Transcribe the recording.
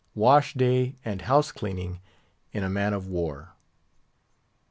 WASH DAY AND HOUSE CLEANING IN A MAN OF WAR.